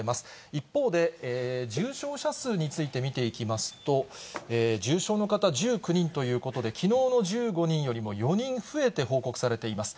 一方で、重症者数について見ていきますと、重症の方１９人ということで、きのうの１５人よりも４人増えて報告されています。